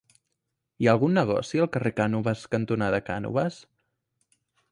Hi ha algun negoci al carrer Cànoves cantonada Cànoves?